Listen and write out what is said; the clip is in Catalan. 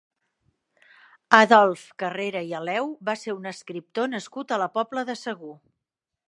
Adolf Carrera i Aleu va ser un escriptor nascut a la Pobla de Segur.